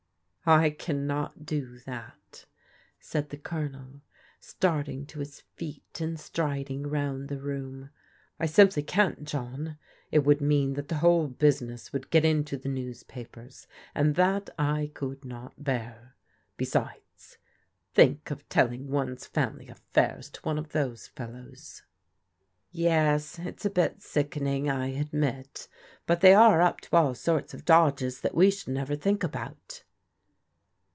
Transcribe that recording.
" I cannot do that," said the Colonel, starting to his feet and striding round the room. " I simply can't, John. It would mean that the whole business would get into the newspapers, and that I could not bear. Besides, think of telling one's family affairs to one of those fellows." Yes, it's a bit sickening, I admit, but they are up to all sorts of dodges that we should never think about."